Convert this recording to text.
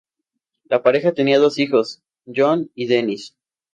La pareja tenía dos hijos, John y Dennis.